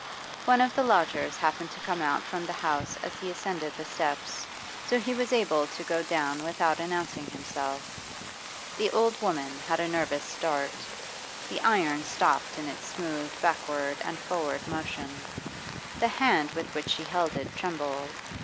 One of the lodgers happened to come out from the house as he ascended the steps, so he was able to go down without announcing himself. The old woman had a nervous start; the iron stopped in its smooth backward and forward motion; the hand with which she held it trembled.